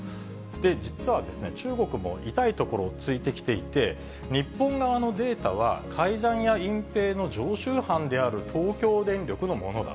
実は中国も痛いところをついてきていて、日本側のデータは、改ざんや隠蔽の常習犯である東京電力のものだ。